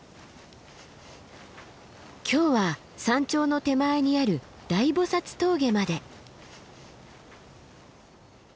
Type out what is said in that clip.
今日は山頂の手前にある大菩峠まで。